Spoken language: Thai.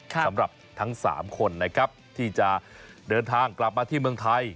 สำหรับทั้ง๓คนนะครับที่จะเดินทางกลับมาที่เมืองไทย